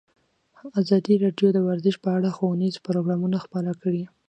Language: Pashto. ازادي راډیو د ورزش په اړه ښوونیز پروګرامونه خپاره کړي.